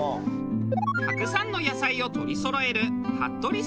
たくさんの野菜を取りそろえる。